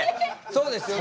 そうですよね？